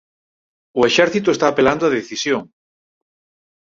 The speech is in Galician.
O Exército está apelando a decisión.